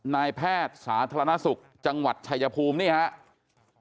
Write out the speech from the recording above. นายแพทย์สาธารณสุขจังหวัดชายภูมินี่ครับ